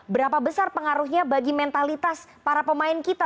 berapa besar pengaruhnya bagi mentalitas para pemain kita